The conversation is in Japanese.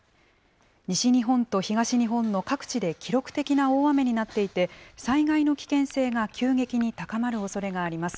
西日本と東日本の各地で記録的な大雨になっていて、災害の危険性が急激に高まるおそれがあります。